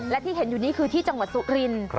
และที่เห็นอยู่นี่คือที่จังหวัดสุรินทร์